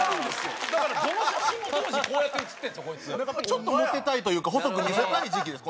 ちょっとモテたいというか細く見せたい時期です